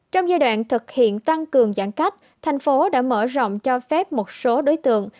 trong giai đoạn thực hiện tăng cường giãn cách thành phố đã mở rộng cho phép một số đối tượng